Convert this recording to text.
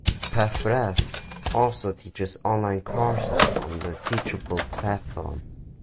Paffrath also teaches online courses on the Teachable platform.